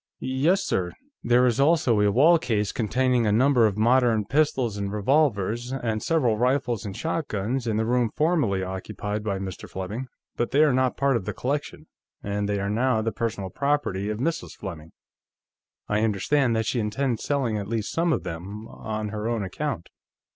"Yes, sir. There is also a wall case containing a number of modern pistols and revolvers, and several rifles and shotguns, in the room formerly occupied by Mr. Fleming, but they are not part of the collection, and they are now the personal property of Mrs. Fleming. I understand that she intends selling at least some of them, on her own account.